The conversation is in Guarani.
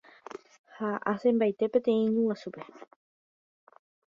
ha asẽmbaite peteĩ ñuguasuetépe